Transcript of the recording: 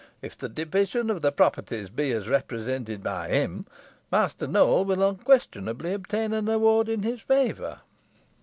If the division of the properties be as represented by him, Master Nowell will unquestionably obtain an award in his favour."